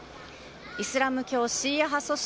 イスラム教シーア派組織